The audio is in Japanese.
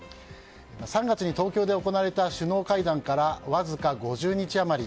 ３月に東京で行われた首脳会談から、わずか５０日余り。